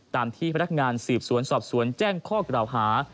ตามที่พนักงานสืบสวนสอบสวนแจ้งข้อกล่าวหา